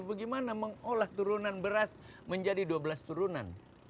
bagaimana mengolah turunan beras menjadi dua belas turunan